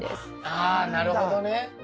ああなるほどね。